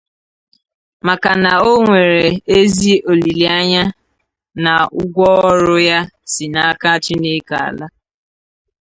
maka na o nwere ezi olileanya na ụgwọọrụ ya si n'aka Chineke ala.